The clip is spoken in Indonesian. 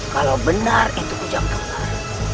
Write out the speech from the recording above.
kalau benar itu ujang kembar